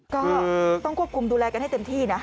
ก็ต้องควบคุมดูแลกันให้เต็มที่นะ